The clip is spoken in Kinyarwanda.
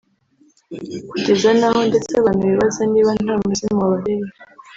kugeza naho ndetse abantu bibaza niba nta muzimu wabateye